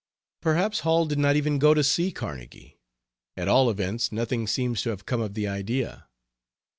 Perhaps Hall did not even go to see Carnegie; at all events nothing seems to have come of the idea.